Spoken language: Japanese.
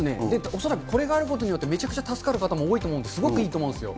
恐らくこれがあることによって、めちゃくちゃ助かる方も多いと思うんで、すごくいいと思うんですよ。